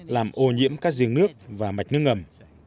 làm ô nhiễm các giếng nước và mạch nước ngầm